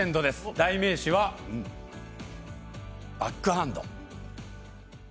代名詞はバックハンド。